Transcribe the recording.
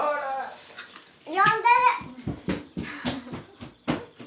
呼んでる。